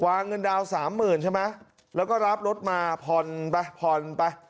วางเงินดาวน์สามหมื่นใช่ไหมแล้วก็รับรถมาพลไปพลไป